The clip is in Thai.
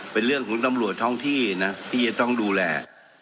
เป็นเรื่องของตำรวจท้องที่นะที่จะต้องดูแล